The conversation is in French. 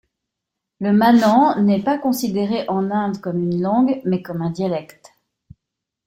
Le mannan n'est pas considéré, en Inde, comme une langue mais comme un dialecte.